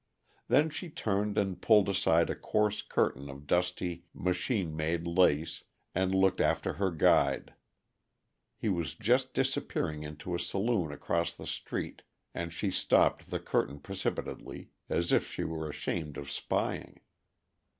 Then she turned and pulled aside a coarse curtain of dusty, machine made lace, and looked after her guide. He was just disappearing into a saloon across the street, and she dropped the curtain precipitately, as if she were ashamed of spying.